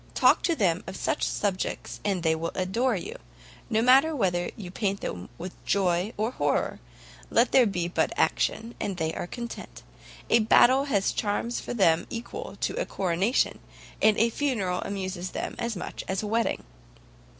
Talk to them of such subjects, and they adore you; no matter whether you paint to them joy or horror, let there but be action, and they are content; a battle has charms for them equal to a coronation, and a funeral amuses them as much as a wedding."